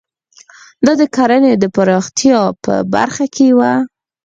دا د کرنې د پراختیا په برخه کې وو.